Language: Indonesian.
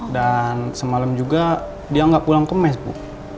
dan semalam juga dia gak pulang ke mes bu